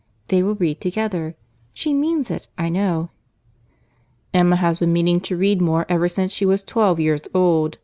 They will read together. She means it, I know." "Emma has been meaning to read more ever since she was twelve years old.